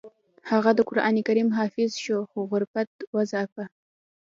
هغه د قران کریم حافظ شو خو غربت وځاپه